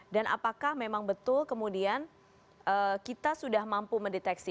dan apakah memang betul kemudian kita sudah mampu mendeteksi